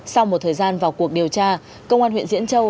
sau một thời gian vào cuộc điều tra công an huyện diễn châu